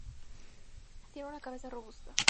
Tienen una cabeza robusta.